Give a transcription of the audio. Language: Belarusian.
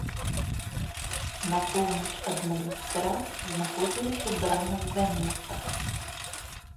На поўнач ад манастыра знаходзілася брама-званіца.